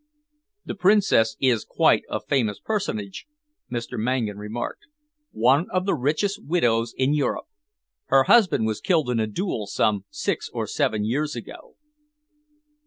"The Princess is quite a famous personage," Mr. Mangan remarked, "one of the richest widows in Europe. Her husband was killed in a duel some six or seven years ago."